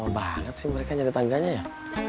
banget sih mereka nyari tangganya ya